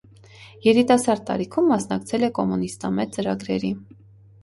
Երիտասարդ տարիքում մասնակցել է կոմունիստամետ ծրագրերի։